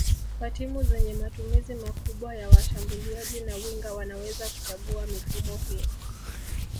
Kwa timu zenye matumizi makubwa ya washambuliaji na winga wanaweza kuchagua mifumo hii